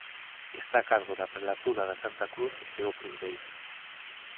Está a cargo da Prelatura da Santa Cruz e Opus Dei.